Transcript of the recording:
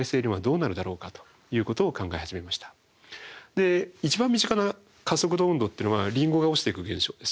で一番身近な加速度運動っていうのはリンゴが落ちていく現象です。